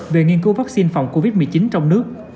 về nghiên cứu vaccine phòng covid một mươi chín trong nước